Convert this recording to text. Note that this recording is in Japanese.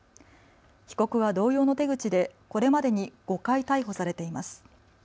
被告は同様の手口でこれまでに５回逮捕されています。